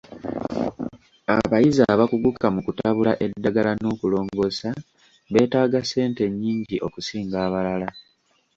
Abayizi abakuguka mu kutabula eddagala n'okulongoosa beetaaga ssente nnyingi okusinga abalala.